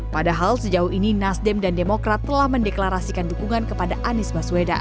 padahal sejauh ini nasdem dan demokrat telah mendeklarasikan dukungan kepada anies baswedan